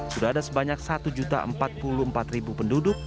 sudah ada sebanyak satu empat puluh empat penduduk